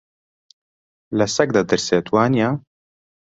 لە سەگ دەترسێت، وانییە؟